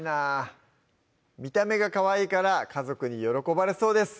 見た目がかわいいから家族に喜ばれそうです